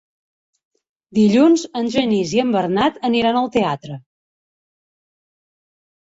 Dilluns en Genís i en Bernat aniran al teatre.